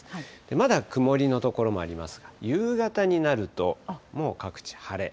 まだ曇りの所もありますが、夕方になると、もう各地晴れ。